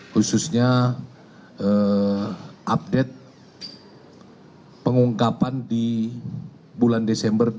khususnya update pengungkapan di bulan desember dua ribu dua puluh